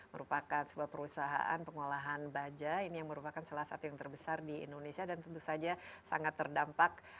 merupakan sebuah perusahaan pengolahan baja ini yang merupakan salah satu yang terbesar di indonesia dan tentu saja sangat terdampak